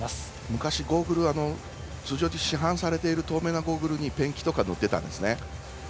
昔、ゴーグルは通常で市販されている透明なゴーグルにペンキとか塗っていたんですね。